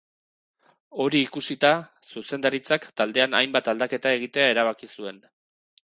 Hori ikusita, zuzendaritzak taldean hainbat aldaketa egitea erabaki zuen.